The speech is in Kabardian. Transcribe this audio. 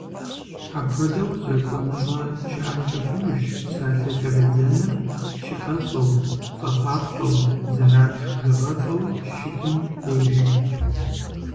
Апхуэдэу зэкӏуныгъэ щыӏэнкӏэ хъунущ псалъэ кӏэрыдзэныр щыӏэцӏэу, цӏэпапщӏэу, зэрабж бжыгъэцӏэу щыщытым дежи.